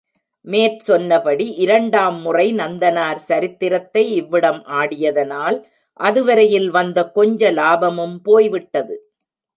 மேற் சொன்னபடி இரண்டாம் முறை நந்தனார் சரித்திரத்தை இவ்விடம் ஆடியதனால், அதுவரையில் வந்த கொஞ்ச லாபமும் போய்விட்டது.